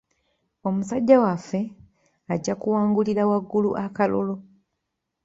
Omusajja waffe ajja kuwangulira waggulu akalulu.